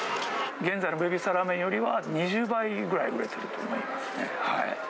現在のベビースターラーメンよりは、２０倍ぐらい売れてると思いますね。